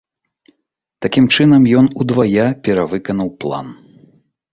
Такім чынам ён удвая перавыканаў план.